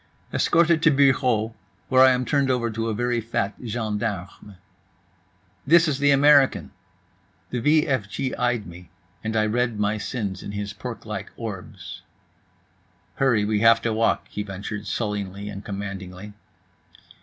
Escorted to bureau, where I am turned over to a very fat gendarme. "This is the American." The v f g eyed me, and I read my sins in his porklike orbs. "Hurry, we have to walk," he ventured sullenly and commandingly.